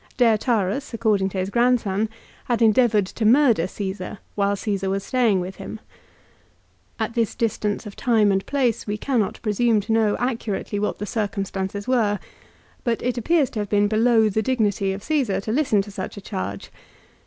Deiotarus, according to his grandson, had endeavoured to murder Caesar while Caesar was staying with him. At this distance of time and place we cannot presume to know accurately what the circumstances were ; but it appears to have been below the dignity of Caesar to listen to such a charge.